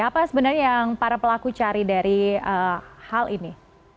apa sebenarnya yang para pelaku cari dari hal ini